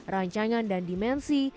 rancangan dan dimensi